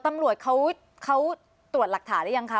ตำรวจเขาตรวจหลักฐานหรือยังคะ